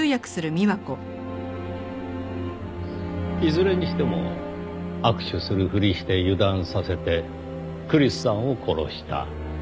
いずれにしても握手するふりして油断させてクリスさんを殺した。